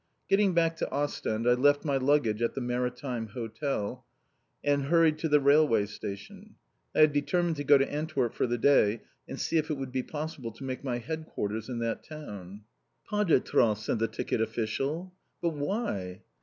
Getting back to Ostend, I left my luggage at the Maritime Hotel, and hurried to the railway station. I had determined to go to Antwerp for the day and see if it would be possible to make my headquarters in that town. "Pas de train!" said the ticket official. "But why?"